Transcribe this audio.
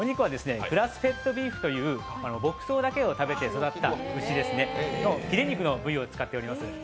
グラスフェッドビーフという牧草だけを食べて育ったお肉でヒレ肉の部位を使っています。